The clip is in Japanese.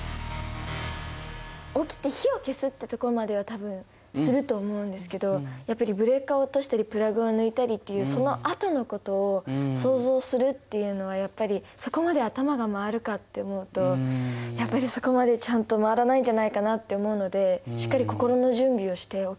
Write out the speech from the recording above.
起きて火を消すってところまでは多分すると思うんですけどやっぱりブレーカーを落としたりプラグを抜いたりっていうそのあとのことを想像するっていうのはやっぱりそこまで頭が回るかって思うとやっぱりそこまでちゃんと回らないんじゃないかなって思うのでしっかり心の準備をしておきたいなって思います。